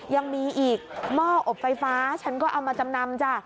ยังมีอีกหม้ออบไฟฟ้าฉันก็เอามาจำนำจ้ะ